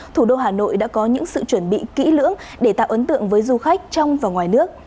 thủ đô hà nội đã có những sự chuẩn bị kỹ lưỡng để tạo ấn tượng với du khách trong và ngoài nước